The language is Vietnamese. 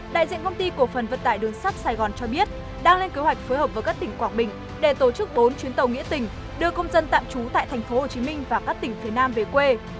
đại diện công ty cổ phần vận tải đường sắt sài gòn cho biết đang lên kế hoạch phối hợp với các tỉnh quảng bình để tổ chức bốn chuyến tàu nghĩa tình đưa công dân tạm trú tại tp hcm và các tỉnh phía nam về quê